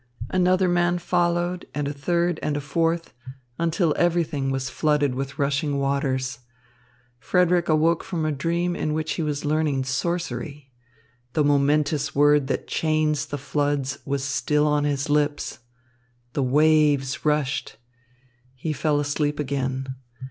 Another man followed and a third and a fourth, until everything was flooded with rushing waters. Frederick awoke from a dream in which he was learning sorcery. The momentous word that chains the floods was still on his lips. The waves rushed. He fell asleep again.